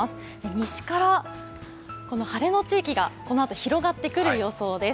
西から晴れの地域がこのあと広がってくる予想です。